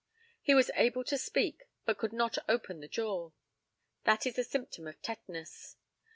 He was able to speak, but could not open the jaw. That is a symptom of tetanus.